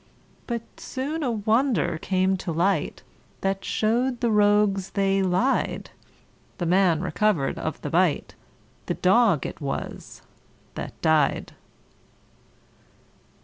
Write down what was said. But soon a wonder came to light, That show'd the rogues they lied: The man recover'd of the bite The dog it was that died.